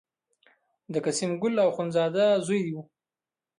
د قسیم ګل اخوندزاده زوی و.